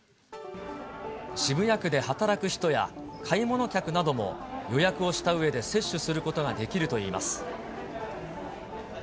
渋谷区で働く人や、買い物客なども、予約をしたうえで接種することができるといいます。